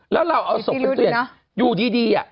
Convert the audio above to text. แล้วเราเอาศพของตัวเองอยู่ดี